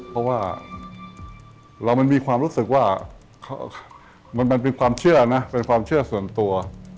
เพราะว่าเรามันมีความรู้สึกว่ามันเป็นความเชื่อนะเป็นความเชื่อส่วนตัว